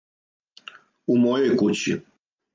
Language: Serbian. У мојој кући!